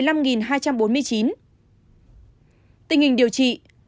tình hình điều trị